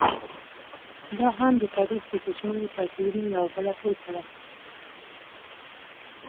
دا هم د تاریخ د کوچنیو توپیرونو یوه بله پېښه وه.